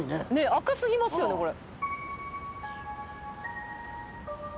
赤すぎますよねこれ。